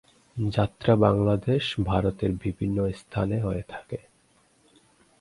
যাত্রা বাংলাদেশ, ভারতের বিভিন্ন স্থানে হয়ে থাকে।